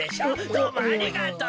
どうもありがとう。